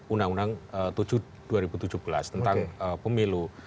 undang undang tujuh dua ribu tujuh belas tentang pemilu